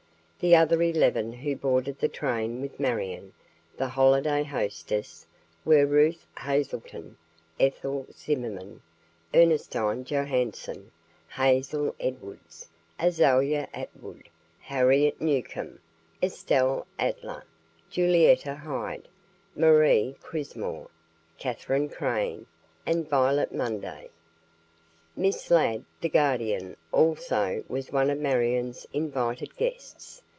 The other eleven who boarded the train with Marion, the holiday hostess, were Ruth Hazelton, Ethel Zimmerman, Ernestine Johanson, Hazel Edwards, Azalia Atwood, Harriet Newcomb, Estelle Adler, Julietta Hyde, Marie Crismore, Katherine Crane, and Violet Munday. Miss Ladd, the Guardian, also was one of Marion's invited guests.